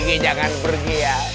gigi jangan pergi ya